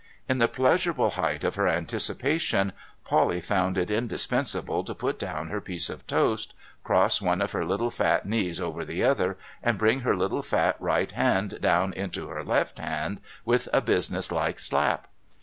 In the pleasurable height of her anticipations, Polly found it indispensable to put down her piece of toast, cross one of her little fat knees over the other, and bring her little fat right hand down into her left hand with a business like slap.